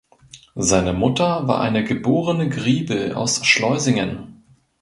Seine Mutter war eine geborene Griebel aus Schleusingen.